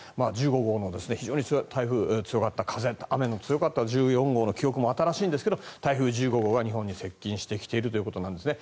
１５号も非常に強かった風雨の強かった１４号の記憶も新しいんですが、台風１５号が日本に接近してきているということなんですね。